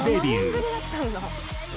「７年ぶりだったんだ」